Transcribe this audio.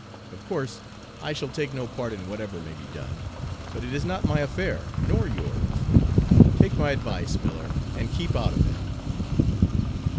Of course I shall take no part in whatever may be done, but it is not my affair, nor yours. Take my advice, Miller, and keep out of it.'